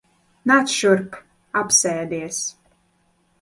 Nāc šurp. Apsēdies.